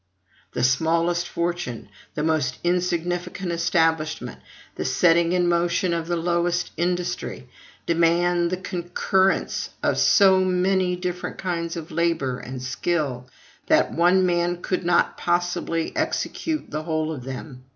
The smallest fortune, the most insignificant establishment, the setting in motion of the lowest industry, demand the concurrence of so many different kinds of labor and skill, that one man could not possibly execute the whole of them.